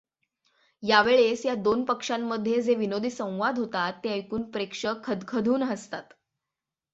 या वेळेस या दोन पक्षांमध्ये जे विनोदी संवाद होतात ते ऐकून प्रेक्षक खदखदून हसतात.